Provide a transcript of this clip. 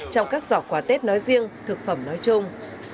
trong các giỏ quà tết nói riêng thực phẩm nói chung